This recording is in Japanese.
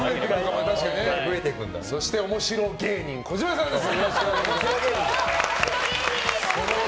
そして、面白芸人児嶋さんです。